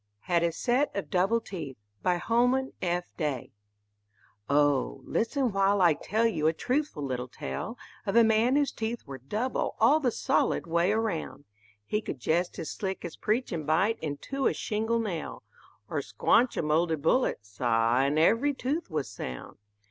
HAD A SET OF DOUBLE TEETH BY HOLMAN F. DAY Oh, listen while I tell you a truthful little tale Of a man whose teeth were double all the solid way around; He could jest as slick as preachin' bite in two a shingle nail, Or squonch a molded bullet, sah, and ev'ry tooth was sound.